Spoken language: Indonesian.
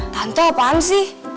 tante apaan sih